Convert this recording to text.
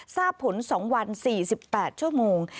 ทราบผล๒วัน๔๘ชั่วโมง